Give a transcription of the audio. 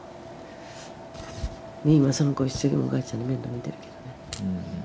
今その子一生懸命お母ちゃんの面倒みてるけどね。